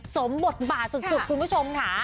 สมบทบาทสุดคุณผู้ชมค่ะ